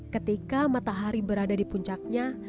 ketika matahari berada di puncaknya